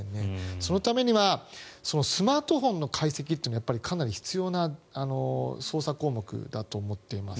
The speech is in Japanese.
そのためにはスマートフォンの解析というのがやっぱりかなり必要な捜査項目だと思っています。